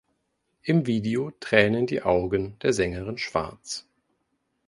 Im Video tränen die Augen der Sängerin schwarz.